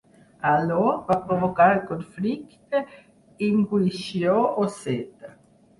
Allò va provocar el Conflicte ingúixio-osseta.